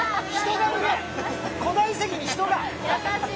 古代遺跡に人が！